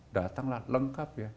datanglah lengkap ya